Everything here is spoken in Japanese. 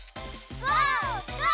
ゴー！